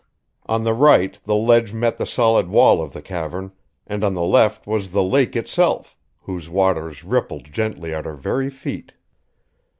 On the right the ledge met the solid wall of the cavern, and on the left was the lake itself, whose waters rippled gently at our very feet.